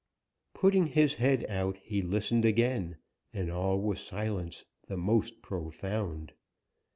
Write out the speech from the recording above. Putting his head out he listened again, and all was silence the most profound.